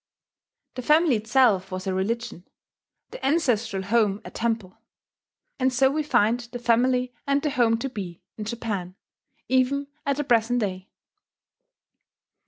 The family itself was a religion; the ancestral home a temple. And so we find the family and the home to be in Japan, even at the present day.